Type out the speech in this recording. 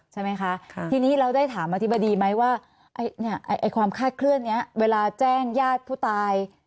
ใช่ไหมคะทีนี้เราได้ถามอธิบดีไหมว่าความคาดเคลื่อนนี้เวลาแจ้งญาติผู้ตาย